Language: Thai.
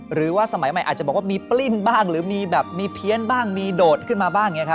หรือว่าสมัยใหม่อาจจะบอกว่ามีปลิ้นบ้างหรือมีแบบมีเพี้ยนบ้างมีโดดขึ้นมาบ้างอย่างนี้ครับ